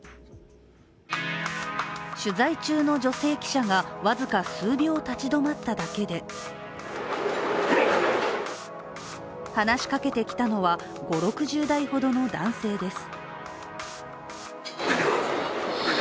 取材中の女性記者が僅か数秒立ち止まっただけで話しかけてきたのは５０６０代ほどの男性です。